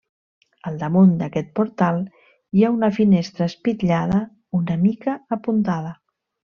Al damunt d’aquest portal hi ha una finestra espitllada una mica apuntada.